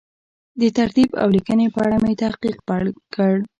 د ترتیب او لیکنې په اړه مې تحقیق پیل کړ.